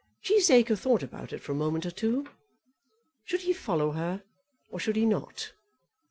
Cheesacre thought about it for a moment or two. Should he follow her or should he not?